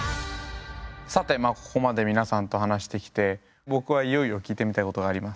さてここまで皆さんと話してきて僕はいよいよ聞いてみたいことがあります。